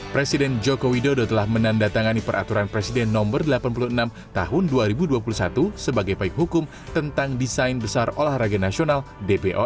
presiden joko dodo telah menandatangani peraturan presiden nomor delapan puluh enam tahun dua ribu dua puluh satu sebagai payung hukum tentang desain besar olahraga nasional d p o n